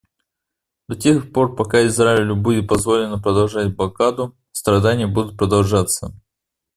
До тех пор пока Израилю будет позволено продолжать блокаду, страдания будут продолжаться.